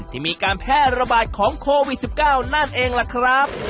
ที่มีการแพร่ระบาดของโควิด๑๙นั่นเองล่ะครับ